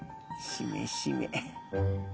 しめしめ。